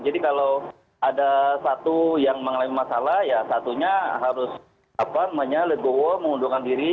jadi kalau ada satu yang mengalami masalah ya satunya harus mengundurkan diri